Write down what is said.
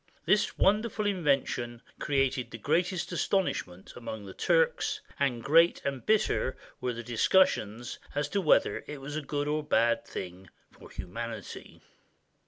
This wonderful invention created the greatest astonishment amongst the Turks, and great and bitter were the discussions as to whether it was a good or a bad thing for humanity.